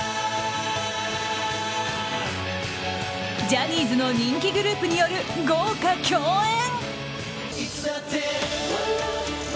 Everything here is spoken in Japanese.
ジャニーズの人気グループによる豪華共演。